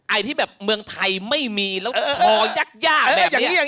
ไอ้ที่แบบเมืองไทยไม่มีแล้วทอยากแบบนี้